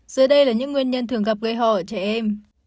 giờ đây là những nguyên nhân thường gặp gây hò ở trẻ em